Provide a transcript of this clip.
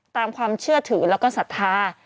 ตามความเชื่อถือแล้วก็ศรัทธา